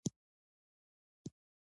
دښتې د اقتصادي منابعو ارزښت زیاتوي.